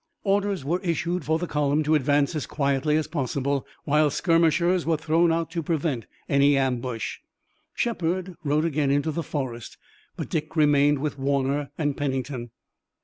Orders were issued for the column to advance as quietly as possible, while skirmishers were thrown out to prevent any ambush. Shepard rode again into the forest but Dick remained with Warner and Pennington.